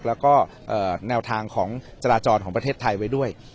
แล้วก็แนวทางของจราจรของประเทศไทยไว้ด้วย